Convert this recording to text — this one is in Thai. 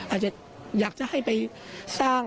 อาจจะอยากจะให้ไปสร้าง